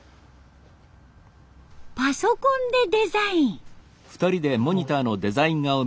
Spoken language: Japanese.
パソコンでデザイン。